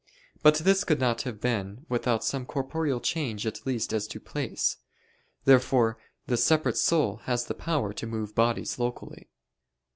But this could not have been without some corporeal change at least as to place. Therefore, the separate soul has the power to move bodies locally.